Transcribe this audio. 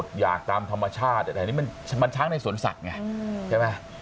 หยากตามธรรมชาติแต่อันนี้มันช้างในสวนสัตว์ไงใช่ไหม